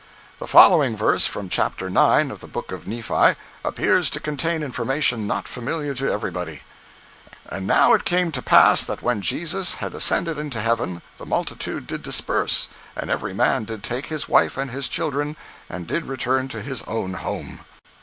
The following verse (from Chapter IX. of the Book of Nephi) appears to contain information not familiar to everybody: And now it came to pass that when Jesus had ascended into heaven, the multitude did disperse, and every man did take his wife and his children, and did return to his own home.